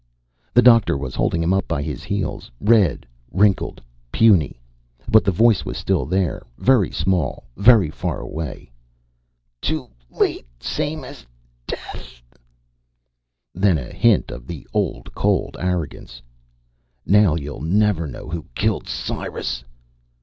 The doctor was holding him up by the heels, red, wrinkled, puny. But the voice was still there, very small, very far away: Too late same as death Then a hint of the old cold arrogance: _Now you'll never know who killed Cyrus.